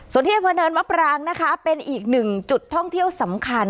ส่วนที่อำเภอเนินมะปรางนะคะเป็นอีกหนึ่งจุดท่องเที่ยวสำคัญ